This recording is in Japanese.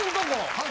はい。